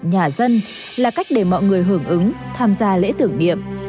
nhà dân là cách để mọi người hưởng ứng tham gia lễ tưởng niệm